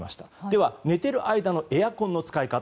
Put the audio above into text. では寝てる間のエアコンの使い方